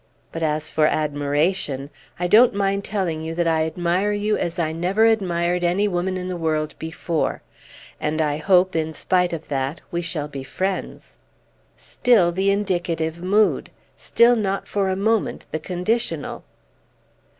But as for admiration, I don't mind telling you that I admire you as I never admired any woman in the world before; and I hope, in spite of that, we shall be friends." Still the indicative mood, still not for a moment the conditional!